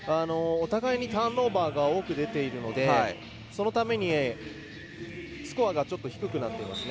お互いにターンオーバーが多く出てるのでそのために、スコアがちょっと低くなっていますね。